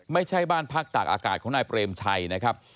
ไม่ใช่บ้านพักตากอากาศของนายเปรมชัยนะครับ